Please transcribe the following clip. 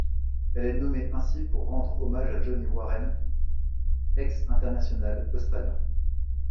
Elle est nommée ainsi pour rendre hommage à Johnny Warren, ex-international australien.